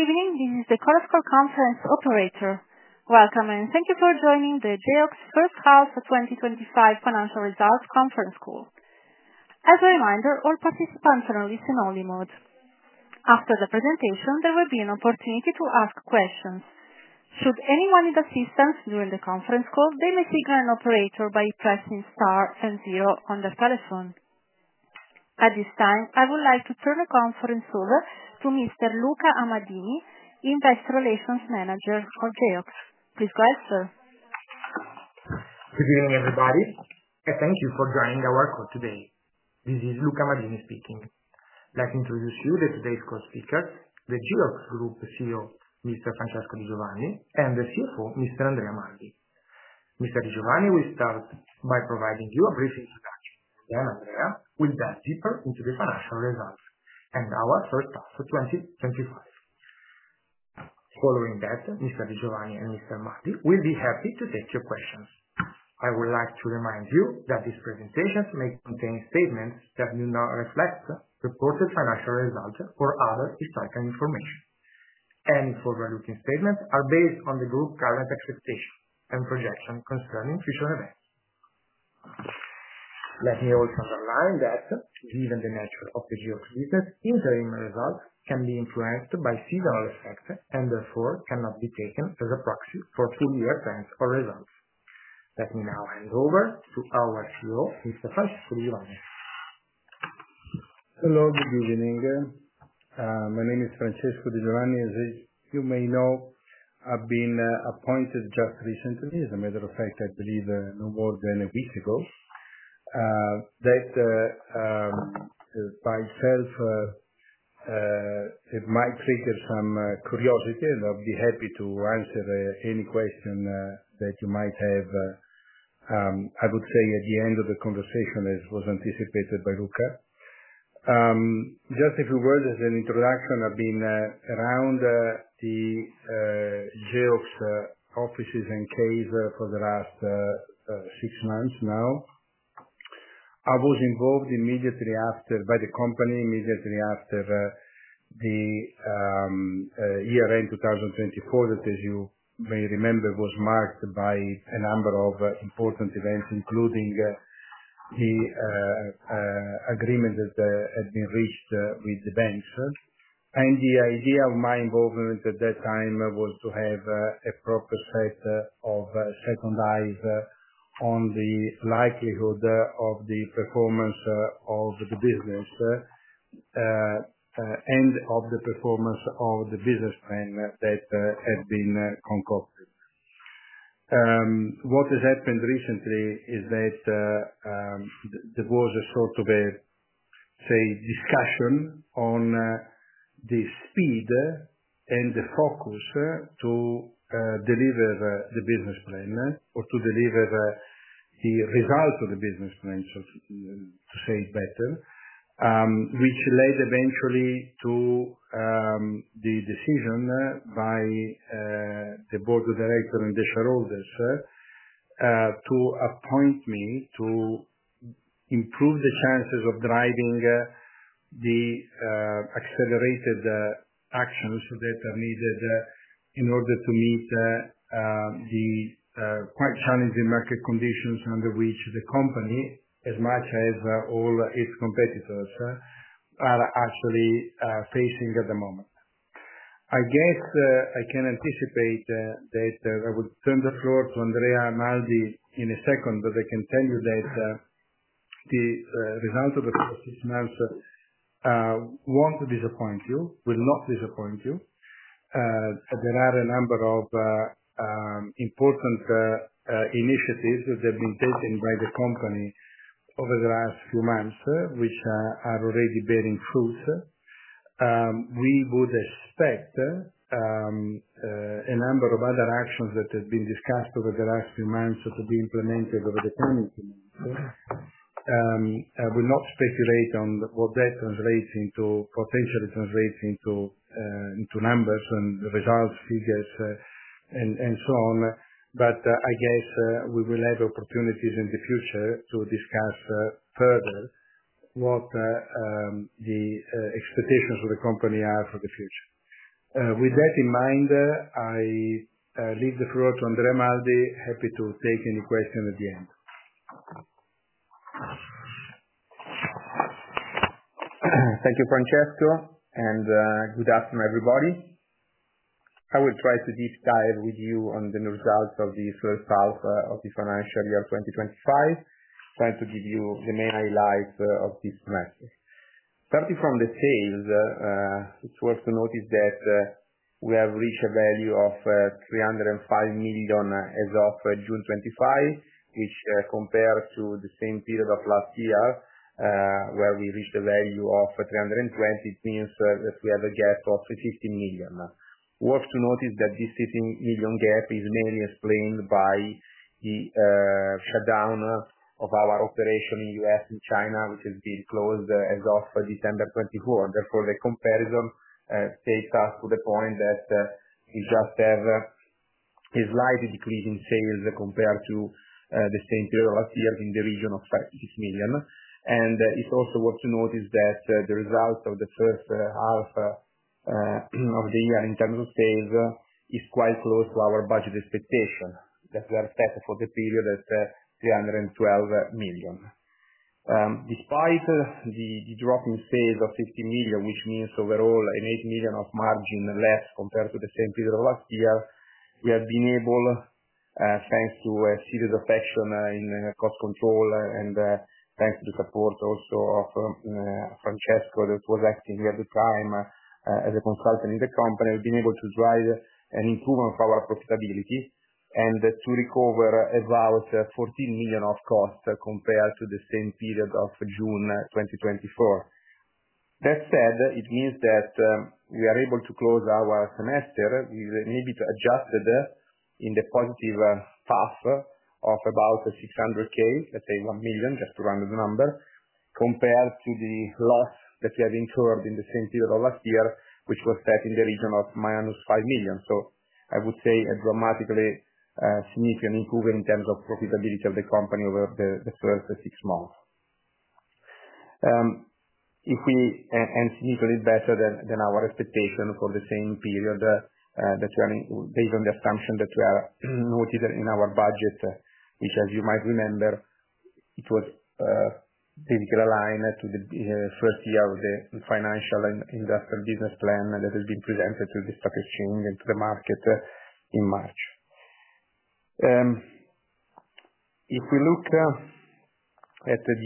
Good evening. this is the Coruscant conference operator. Welcome and thank you for joining the JL First Class 2025 Financial Results Conference Call. As a reminder, all participants are in a listen-only mode. After the presentation, there will be an opportunity to ask questions. Should anyone need assistance during the conference call, they may speak to an operator by pressing star and zero on the telephone. At this time, I would like to turn the conference over to Mr. Luca Amaldi, Investor Relations Manager Geox Group, Please go ahead, sir. Good evening, everybody, and thank you for joining our call today. This is Luca Amadini speaking. I'd like to introduce you to today's Co-speakers; the CEO of the SEO Group, Mr. Francesco Di Giovanni, and the CFO, Mr. Andrea Masi. Mr. Di Giovanni will start by providing you a brief introduction, then Andrea will dive deeper into the financial results, and I will offer some suggestions and advice. Following that, Mr. Di Giovanni and Mr. Masi will be happy to take your questions. I would like to remind you that this presentation may contain statements that do not reflect reported financial results or other historical information. and all relevant statements are based on the group's current assumptions and projections expectations concerning future events. Let me also remind you that even the natural opportunity of participants in their emergencies can be impractical, and therefore cannot be taken for granted. Let me now hand over to our co-speaker, Mr. Francesco Di Giovanni. Let me now hand over to our CEO, Mr. Francesco Di Giovanni. Hello, My name is Francesco Di Giovanni. As you may know, I've been appointed just recently. about ten weeks ago. That by itself might trigger some curiosity, and I'll be happy to answer any question that you may have at the end of the conversation, Just a few words as an introduction. I've been around the CHEOPS offices for the last six months now. I was involved immediately after ERA started, which was marked by several impotant events, including the agreements we reached with the Spencer. At the time, my goal was to have a proper set of synchronization and guidelines on the likelihood of the performance of the business and of the performance of the business plan that had been concluded. Recently, there has been a lot of discussion about the speed and focus required to deliver the business plan results, which eventually led to the decision by the Board of Directors and the shareholders to appoint me to improve the chances of driving the accelerated actions that are needed in order to meet the quite challenging market conditions under which the company, as much as all its competitors, are actually facing at the moment. I guess I can anticipate that I’ll turn the floor over to Andrea Amaldi in a second, but I can tell you that the result of the proceedings will not disappoint you. There are a number of important initiatives that have been taken by the company over the last few months, which are already bearing fruit. We expect several other actions that have been discussed over the last few months to be implemented in the coming weeks. I will not speculate on what that translates into in terms of numbers or figures, but I guess we will have an opportunity in the future to discuss further what the company’s expectations are for what lies ahead. With that in mind, I now leave the floor to Andrea Amaldi. I’ll be happy to take any questions at the end. Thank you, Francesco, and good afternoon, everybody. I will try to keep in line with you on the new trials of the first half of the Panacea Real 2025 plan, and try to give you the main highlights of this period. Starting with sales, it’s worth noting that we have reached a value of €305 million as of June 2025, which, compared to the same period last year where we reached €320 million, shows a gap of €15 million. It’s worth noting that this €15 million gap is mainly explained by the shutdown of our operations in China, which were closed as of September 2024. The comparison shows that we have just a slight decrease in sales compared to the same period last year, around €5 million in the region. [-pAnd it is also worth noting that the result of the chat Alpha sharing groupings is quite close to our budgeted groupings, as we are thankful to be here at €312 million. Despite the drop in the GDP base overall between June and March of this year compared to the same period last year, we have been able, thanks to a series of cost-control actions and tax support measures, particularly from the central repository at the time, as it was not in the country, to provide an improvement in our prospects and recover a large portion of costs compared to the same period last year. And this is also true compared to June 2024. That said, it means that we are able to close our semester with maybe to adjust in the positive path of about €600,000 sales, let's say €1 million, just to run the number, compared to the loss that we have incurred in the same period of last year, which was set in the region of minus €5 million. I would say a dramatically significant improvement in terms of profitability of the company over the first six months. Significantly better than our expectation for the same period, that's running based on the assumption that we are noted in our budget, which, as you might remember, it was typically aligned to the first year of the financial and industrial business plan that has been presented to the stock exchange and to the market in March. If we look at the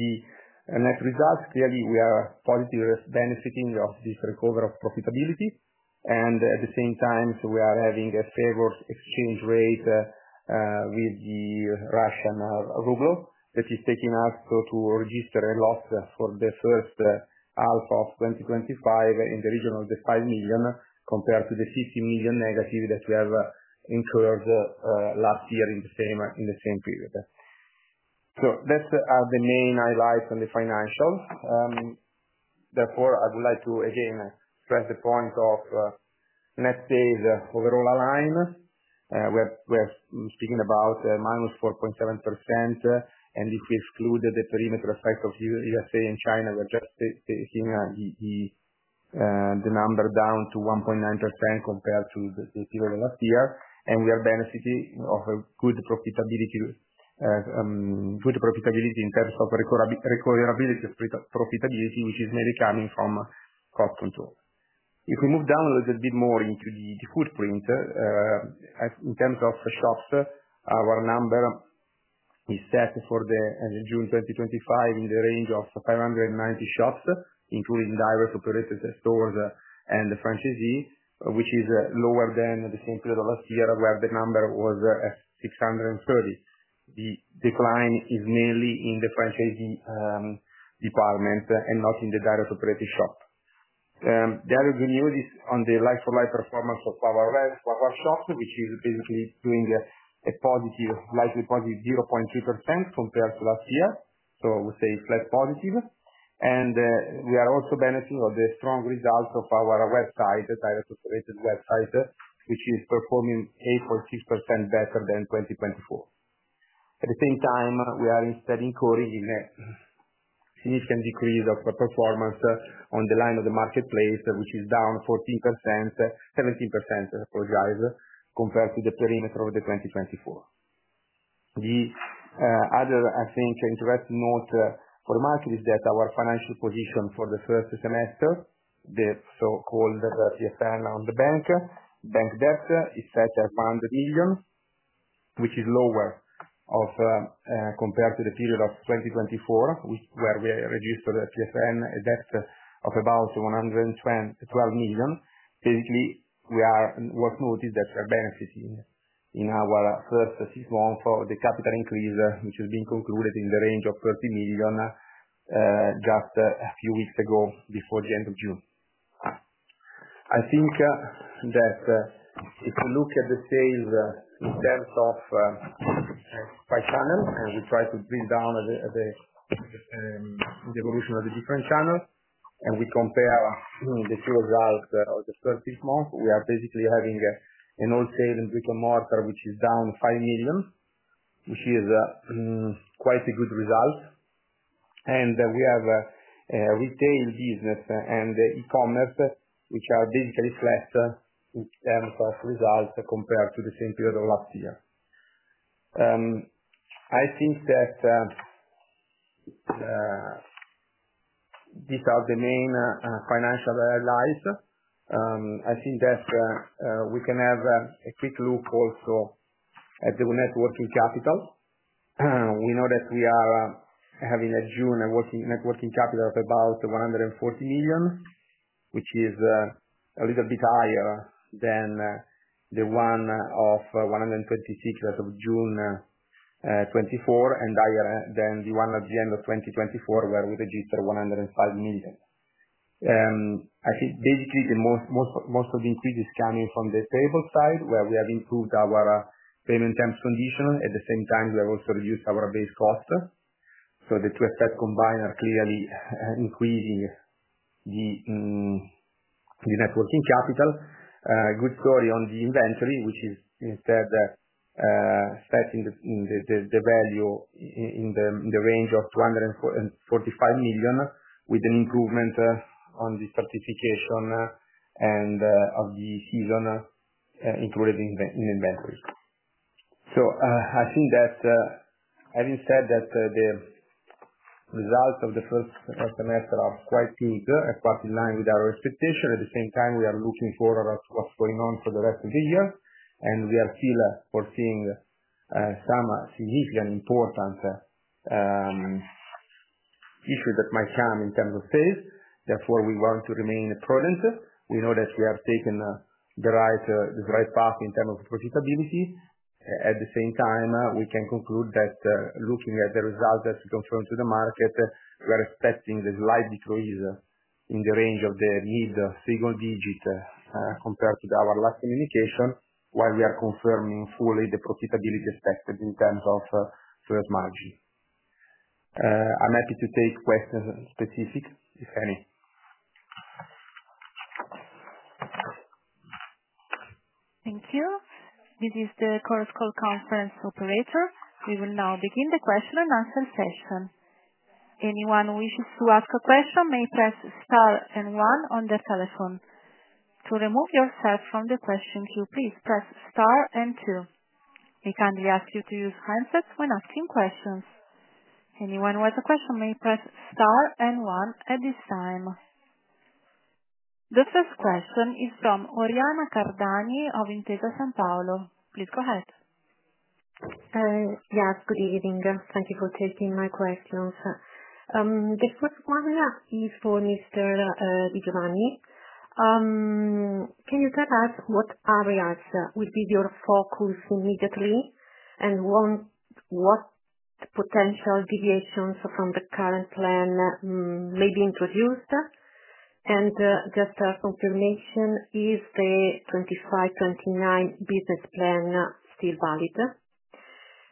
next results, clearly, we are positively benefiting of this recovery of profitability. At the same time, we are having a favorable exchange rate with the Russian ruble that is taking us to register a loss for the first half of 2025 in the region of the €5 million compared to the €15 million negative that we have incurred last year in the same period. That's the main highlights on the financial. Therefore, I would like to again press the point of, let's say, the overall alignment. We're speaking about -4.7%, and this includes the perimeter aspects of the U.S. and China. We're taking the number down to 1.9% compared to the period of last year. We are benefiting of a good profitability in terms of recoverability of profitability, which is mainly coming from cost control. If we move down a little bit more into the footprint, in terms of shops, our number is set for June 2025 in the range of 590 shops, including diverse operators and stores and the franchisees, which is lower than the same period of last year where the number was 630. The decline is mainly in the franchisee department and not in the direct operating shop. The other good news is on the like-for-like performance of our web shop, which is basically doing a positive, slightly positive 0.3% compared to last year. I would say it's less positive. We are also benefiting of the strong results of our website, the direct operated website, which is performing 8.6% better than 2024. At the same time, we are instead incurring a significant decrease of performance on the line of the marketplace, which is down 17% compared to the perimeter of 2024. The other, I think, interesting note for the market is that our financial position for the first semester, the so-called CFR on the bank, bank debt is set at €100 million, which is lower compared to the period of 2024, where we registered a CFR debt of about €112 million. Basically, it's worth to notice that we're benefiting in our first six months of the capital increase, which has been concluded in the range of €30 million, just a few weeks ago before the end of June. I think that if we look at the sales in terms of five channels, and we try to drill down the evolution of the different channels, and we compare the two results of the first six months, we are basically having an all-sales and brick-and-mortar, which is down €5 million, which is quite a good result. We have a retail business and e-commerce, which are basically fleshed in terms of results compared to the same period of last year. I think that these are the main financial highlights. I think that we can have a quick look also at the networking capital. We know that we are having a June net working capital of about €140 million, which is a little bit higher than the one of €126 million of June 2024 and higher than the one at the end of 2024 where we registered €105 million. I think basically most of the increase is coming from the stable side where we have improved our payment terms condition. At the same time, we have also reduced our base cost. The two effects combined are clearly increasing the net working capital. A good story on the inventory, which is instead stating the value in the range of €245 million with an improvement on the certification and of the season included in the inventory. I think that having said that, the results of the first semester are quite big and partly in line with our expectations. At the same time, we are looking forward to what's going on for the rest of the year. We are still foreseeing some significant important issues that might come in terms of sales. Therefore, we want to remain prudent. We know that we have taken the right path in terms of profitability. At the same time, we can conclude that looking at the results that we confirmed to the market, we are expecting a slight decrease in the range of the mid-segment digit compared to our last communication while we are confirming fully the profitability expected in terms of third margin. I'm happy to take questions specific, if any. Thank you. This is the Coruscant Conference operator. We will now begin the question and answer session. Anyone who wishes to ask a question may press star and one on the telephone. To remove yourself from the question queue, please press star and two. I kindly ask you to use handsets when asking questions. Anyone with a question may press star and one at this time. The first question is from Oriana Cardani of Intesa Sanpaolo. Please go ahead. Yes, good evening. Thank you for taking my question also. The first one we are seeing for Mr. Di Giovanni. Can you tell us what areas would be your focus immediately and what potential deviations from the current plan may be introduced? Just a confirmation, is the 2025-2029 business plan still valid?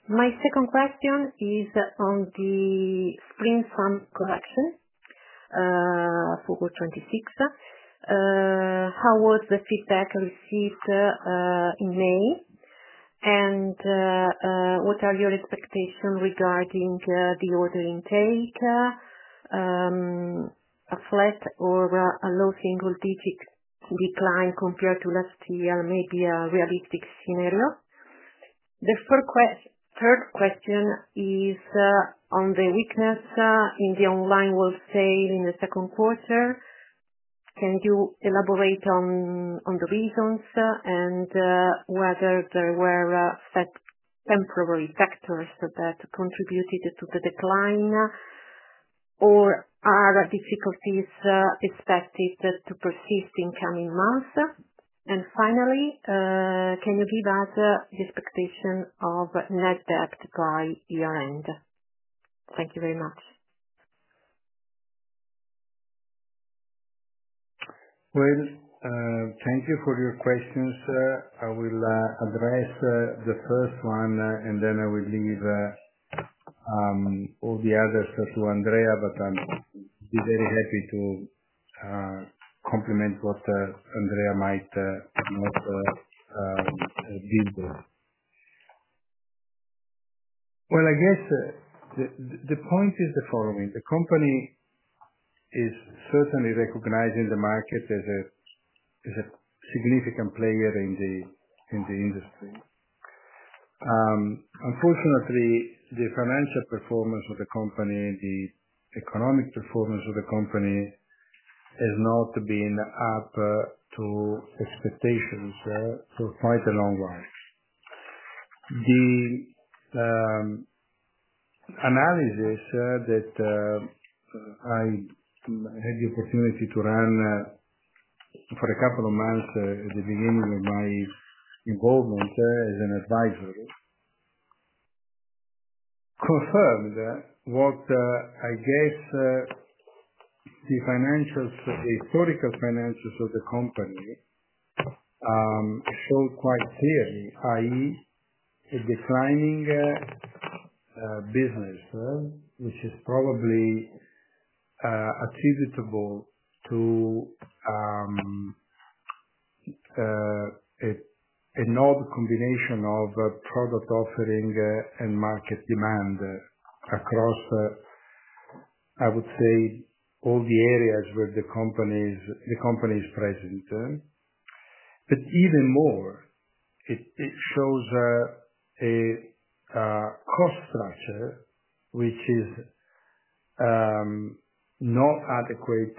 My second question is on the pre-collection for 2026. How was the feedback received in May? What are your expectations regarding the order intake? A flat or a low single-digit decline compared to last year may be a realistic scenario. The third question is on the weakness in the online wholesale in the second quarter. Can you elaborate on the reasons and whether there were temporary factors that contributed to the decline or are there difficulties expected to persist in the coming months? Finally, can you give us the expectation of net debt by year-end? Thank you very much. Thank you for your questions. I will address the first one, and then I will leave all the others to Andrea, but I'd be very happy to complement what Andrea might most give them. I guess the point is the following. The company is certainly recognized in the market as a significant player in the industry. Unfortunately, the financial performance of the company and the economic performance of the company has not been up to expectations for quite a long while. The analysis that I had the opportunity to run for a couple of months at the beginning of my involvement as an advisor confirmed what I guess the financials, the historical financials of the company, showed quite clearly, i.e., a declining business, which is probably attributable to a not combination of product offering and market demand across, I would say, all the areas where the company is present. Even more, it shows a cost structure, which is not adequate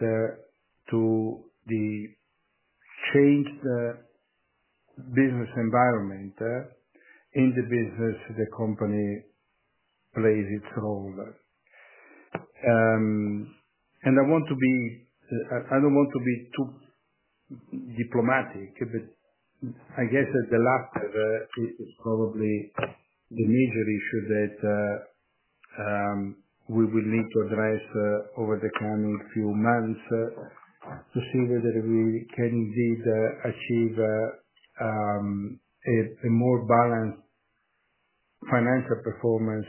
to change the business environment in the business the company plays its role. I want to be, I don't want to be too diplomatic, but I guess that the lack of it is probably the major issue that we will need to address over the coming few months to see whether we can indeed achieve a more balanced financial performance,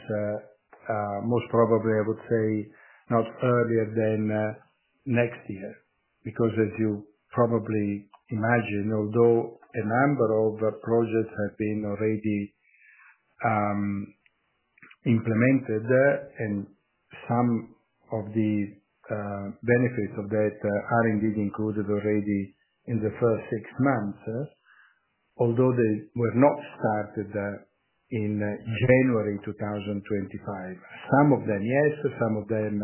most probably, I would say, not earlier than next year. As you probably imagine, although a number of projects have been already implemented, and some of the benefits of that are indeed included already in the first six months, although they were not started in January 2025. Some of them, yes, some of them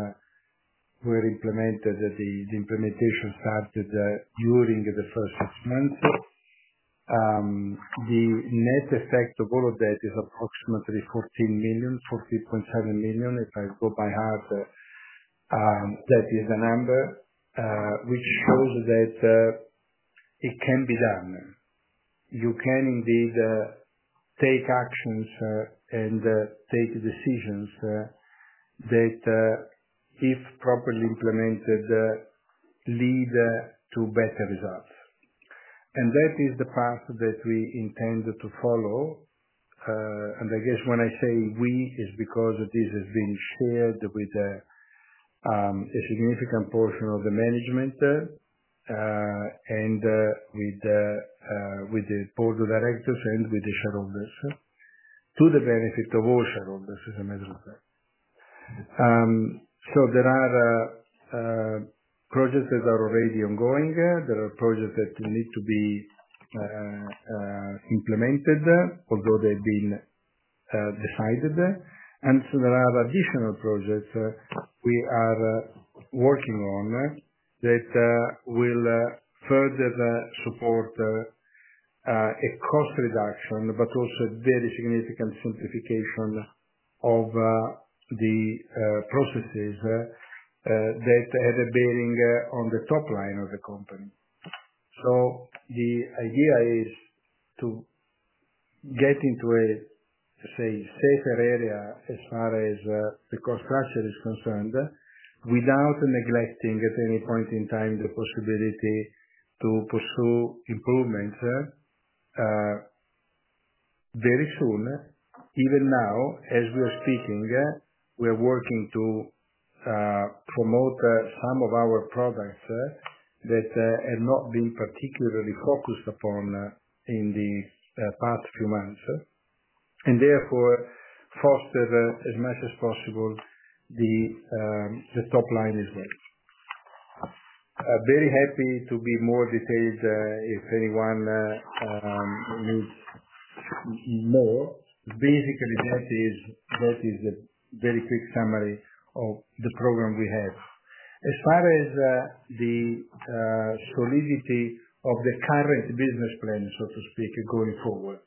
were implemented. The implementation started during the first six months. The net effect of all of that is approximately €14 million, €14.7 million. If I go by heart, that is the number, which shows that it can be done. You can indeed take actions and take decisions that, if properly implemented, lead to better results. That is the path that we intend to follow. I guess when I say we, it's because this has been shared with a significant portion of the management and with the board of directors and with the shareholders to the benefit of all shareholders as a matter of fact. There are projects that are already ongoing. There are projects that need to be implemented, although they've been decided. There are additional projects we are working on that will further support a cost reduction, but also a very significant simplification of the processes that have a bearing on the top line of the company. The idea is to get into a safer area as far as the cost structure is concerned without neglecting at any point in time the possibility to pursue improvements very soon. Even now, as we are speaking, we are working to promote some of our products that have not been particularly focused upon in the past few months. Therefore, foster as much as possible the top line as well. Very happy to be more detailed if anyone needs more. Basically, what is a very quick summary of the program we have? As far as the solidity of the current business plan, so to speak, going forward.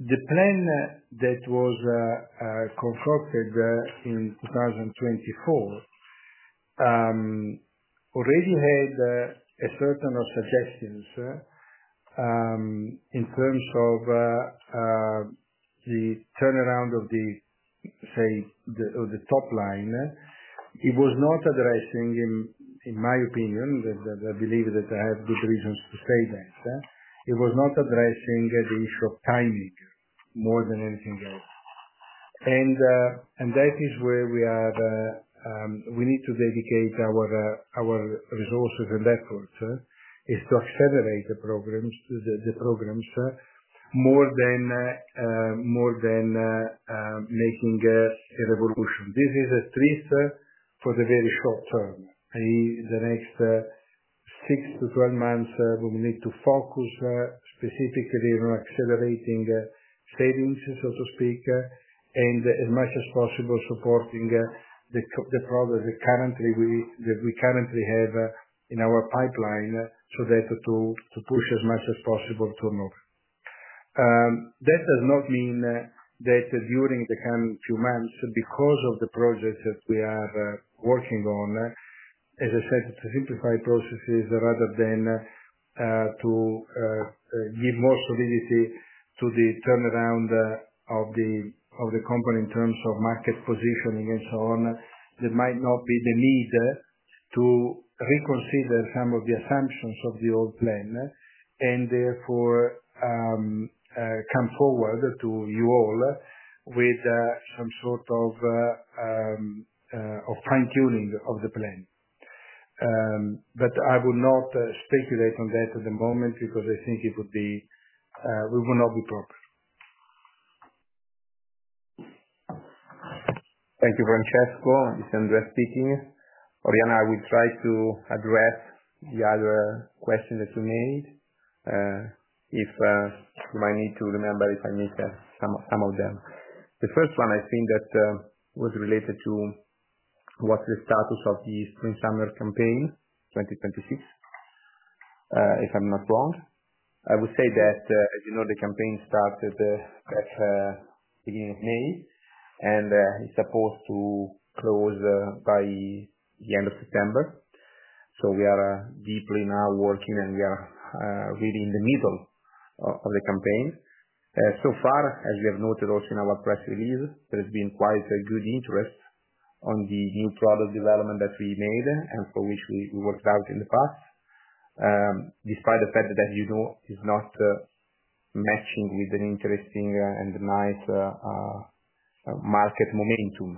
The plan that was concocted in 2024 already had a certain number of suggestions in terms of the turnaround of the, say, the top line. It was not addressing, in my opinion, that I believe that I have good reasons to say that. It was not addressing the issue of timing more than anything else. That is where we are, we need to dedicate our resources and efforts, is to accelerate the programs more than making a revolution. This is a stressor for the very short term. In the next 6 to 12 months, we need to focus specifically on accelerating sales, so to speak, and as much as possible supporting the products that we currently have in our pipeline so that to push as much as possible to move. That does not mean that during the coming few months, because of the projects that we are working on, as I said, to simplify processes rather than to give more solidity to the turnaround of the company in terms of market positioning and so on, there might not be the need to reconsider some of the assumptions of the old plan and therefore come forward to you all with some sort of fine-tuning of the plan. I will not speculate on that at the moment because I think it would be, we will not be proper. Thank you, Francesco. It's Andrea speaking. Oriana, I would try to address the other questions that you made. If you might need to remember if I missed some of them. The first one, I think that was related to what's the status of the Spring Summer Campaign 2026, if I'm not wrong. I would say that, as you know, the campaign started at the beginning of May and is supposed to close by the end of September. We are deeply now working and we are really in the middle of the campaign. So far, as we have noted also in our press release, there has been quite a good interest on the new product development that we made and for which we worked out in the past. Despite the fact that, as you know, it's not meshing with an interesting and nice market momentum.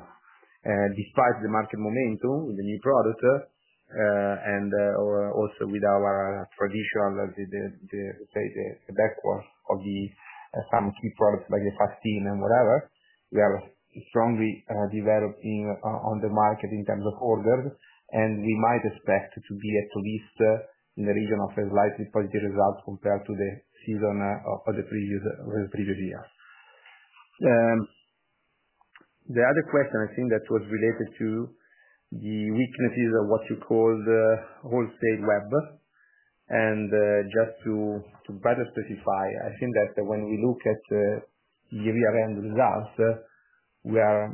Despite the market momentum with the new product and also with our traditional, let's say, the backwash of some key products like the vaccine and whatever, we are strongly developing on the market in terms of orders. We might expect to be at least in the region of slightly positive results compared to the season of the previous year. The other question, I think, that was related to the weaknesses of what you called the wholesale web. Just to better specify, I think that when we look at the year-end results, we are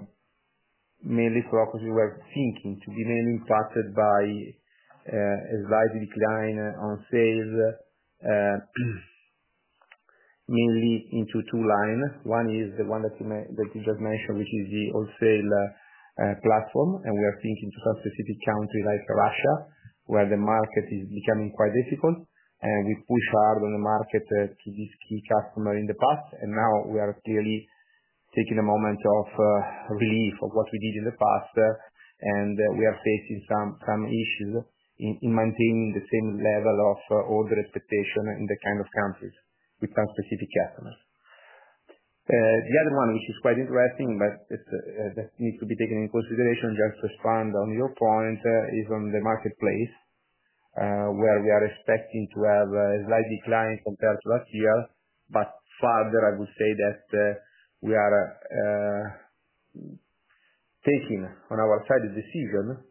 mainly focused, we were thinking to be mainly impacted by a slight decline on sales, mainly into two lines. One is the one that you just mentioned, which is the wholesale platform. We are thinking to have specific countries like Alaska, where the market is becoming quite difficult. We push hard on the market to these key customers in the past. Now we are clearly taking a moment of relief of what we did in the past. We are facing some issues in maintaining the same level of order expectation in the kind of countries with some specific customers. The other one, which is quite interesting, but that needs to be taken into consideration, just to expand on your point, is on the marketplace, where we are expecting to have a slight decline compared to last year. Further, I would say that we are taking on our side a decision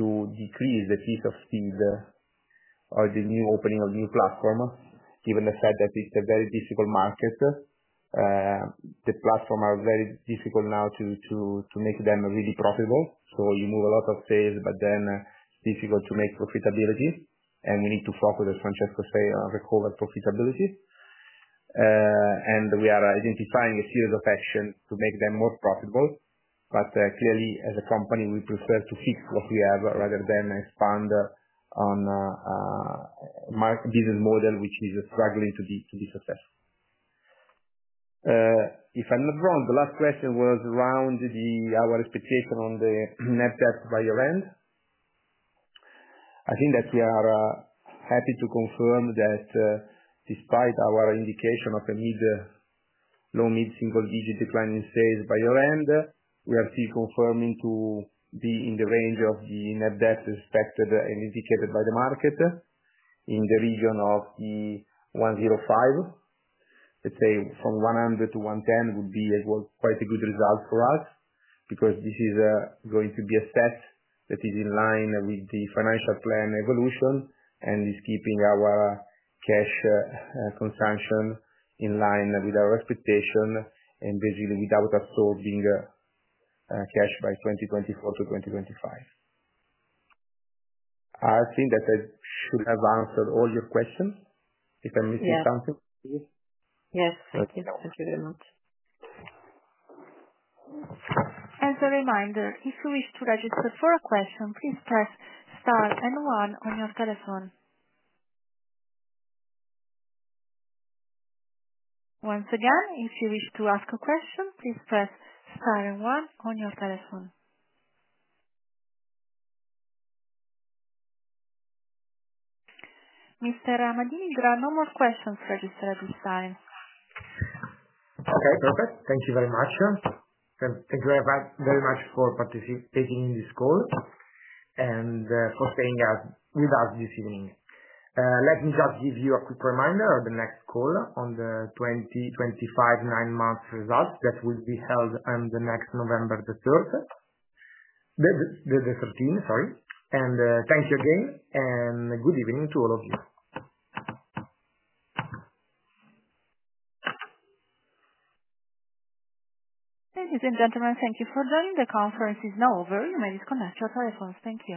to decrease the fees of these new opening of new platforms, given the fact that it's a very difficult market. The platforms are very difficult now to make them really profitable. You move a lot of sales, but then it's difficult to make profitability. We need to focus, as Francesco said, on recovering profitability. We are identifying a series of actions to make them more profitable. Clearly, as a company, we prefer to fix what we have rather than expand on a market business model which is struggling to be successful. If I'm not wrong, the last question was around our expectation on the net debt by year-end. I think that we are happy to confirm that despite our indication of a low mid-single-digit declining sales by year-end, we are still confirming to be in the range of the net debt expected and indicated by the market in the region of €105 million. Let's say from €100 million to €110 million would be quite a good result for us because this is going to be a step that is in line with the financial plan evolution and is keeping our cash consumption in line with our expectation and basically without absorbing cash by 2024 to 2025. I think that I should have answered all your questions. If I'm missing something? Yes, yes, thank you so much. As a reminder, if you wish to register for a question, please press star and one on your telephone. Once again, if you wish to ask a question, please press star and one on your telephone. Mr. Amadini, there are no more questions for this exercise. Okay, perfect. Thank you very much. Thank you very much for participating in this call and for staying with us this evening. Let me just give you a quick reminder of the next call on the 2025 nine-month results that will be held on November 13th. Thank you again, and good evening to all of you. Ladies and gentlemen, thank you for joining. The conference is now over. You may disconnect your telephones. Thank you.